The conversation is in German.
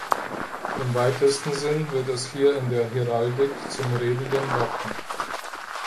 Im weitesten Sinn wird es hier in der Heraldik zum redenden Wappen.